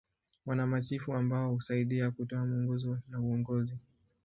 Wana machifu ambao husaidia kutoa mwongozo na uongozi.